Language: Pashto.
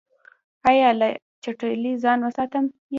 ایا له چټلۍ ځان وساتم؟